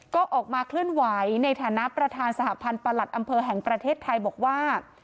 ก็ออกมาเคลื่อนไหวในฐานะประธานสหพันธ์ประหลัดอำเภอแห่งประเทศไทยบอกว่า